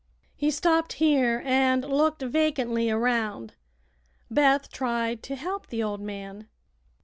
He stopped here, and looked vacantly around. Beth tried to help the old man.